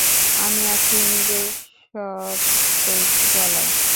আমি আছি নিজের শতেক জ্বালায়।